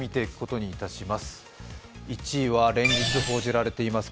１位は連日報じられています